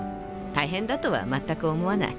大変だとはまったく思わない。